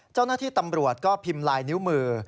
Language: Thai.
เจ้าหน้าที่ตำรวจก็พิมพ์ลายนิ้วมือ